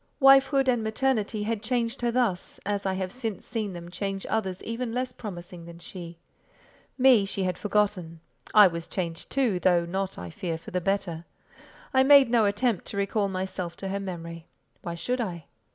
Wifehood and maternity had changed her thus, as I have since seen them change others even less promising than she. Me she had forgotten. I was changed too, though not, I fear, for the better. I made no attempt to recall myself to her memory; why should I?